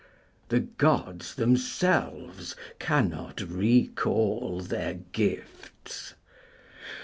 'The Gods themselves cannot recall their gifts.'